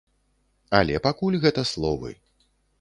Але пакуль гэта словы.